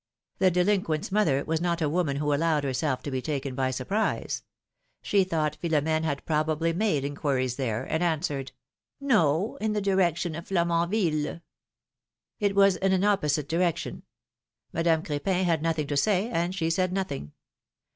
The delinquent's mother was not a woman who allowed herself to be taken by surprise. She thought Philom^ne had probably made inquiries there, and answered ; No, in the direction of Flamanville.^^ It was in an opposite direction ; Madame Cr4pin had nothing to say, and she said nothing.